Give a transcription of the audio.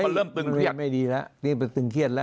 มันเริ่มตึงเครียดไม่ดีแล้วนี่มันตึงเครียดแล้ว